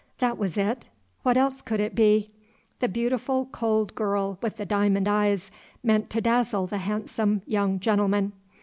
That was it; what else could it be? The beautiful cold girl with the diamond eyes meant to dazzle the handsome young gentleman.